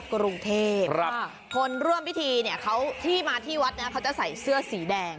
กรุงเทพคนร่วมพิธีเนี่ยเขาที่มาที่วัดเนี่ยเขาจะใส่เสื้อสีแดง